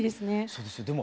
そうですね。